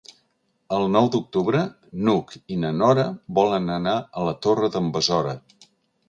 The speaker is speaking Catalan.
El nou d'octubre n'Hug i na Nora volen anar a la Torre d'en Besora.